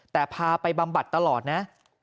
แต่พาไปบำบัดตลอดนะ